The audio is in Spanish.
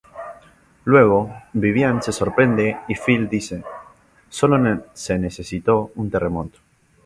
Luego Vivian se sorprende y Phil dice: "Solo se necesitó un terremoto".